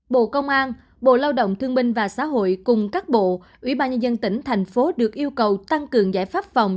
bộ công an bộ lao động thương minh và xã hội cùng các bộ ủy ban nhân dân tỉnh thành phố được yêu cầu tăng cường giải pháp phòng